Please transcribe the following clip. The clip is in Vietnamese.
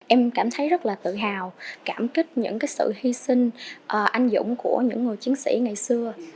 em cảm thấy rất là tự hào cảm kích những sự hy sinh anh dũng của những người chiến sĩ ngày xưa